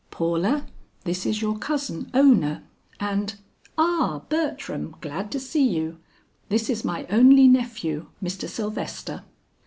"Paula, this is your cousin Ona, and Ah, Bertram, glad to see you this is my only nephew, Mr. Sylvester."